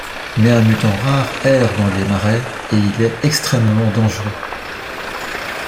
Mais un mutant rare erre dans les marais, et il est extrêmement dangereux...